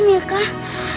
yuk kita kesana